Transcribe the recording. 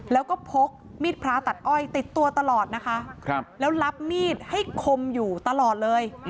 แล้วก็พกมีดพระตัดอ้อยติดตัวตลอดนะคะแล้วรับมีดให้คมอยู่ตลอดเลย